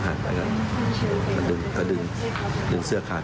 ใส่ชุดดำใส่เสื้อคุม